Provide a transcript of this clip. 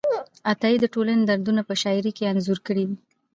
عطایي د ټولنې دردونه په شاعرۍ کې انځور کړي دي.